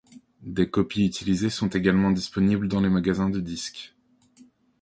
Des copies utilisées sont également disponibles dans les magasins de disques.